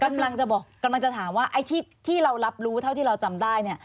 กำลังจะบอกกำลังจะถามว่าไอ้ที่เรารับรู้เท่าที่เราจำได้เนี่ย